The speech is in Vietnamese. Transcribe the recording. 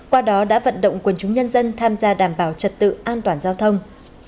qua đó đã vận động quân chúng nhân dân tham gia đảm bảo trật tự an toàn giao thông